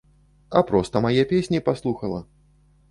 А проста мае песні паслухала!